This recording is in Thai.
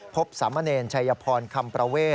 พบสามะเนชยพรคำประเวท